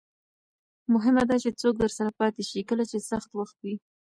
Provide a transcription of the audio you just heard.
مهمه ده چې څوک درسره پاتې شي کله چې سخت وخت وي.